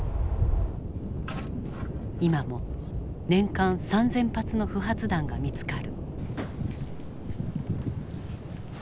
今も年間３，０００発の不発弾が見つかる。